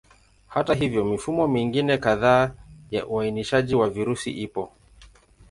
Hata hivyo, mifumo mingine kadhaa ya uainishaji wa virusi ipo.